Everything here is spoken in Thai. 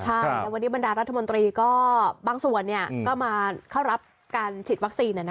ใช่แล้ววันนี้บรรดารัฐมนตรีก็บางส่วนก็มาเข้ารับการฉีดวัคซีน